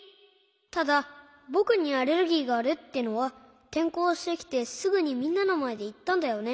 ただぼくにアレルギーがあるってのはてんこうしてきてすぐにみんなのまえでいったんだよね。